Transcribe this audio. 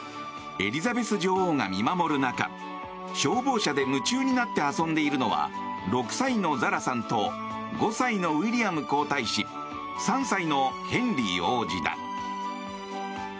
エリザベス女王が見守る中消防車で夢中になって遊んでいるのは６歳のザラさんと５歳のウィリアム皇太子３歳のヘンリー王子だ。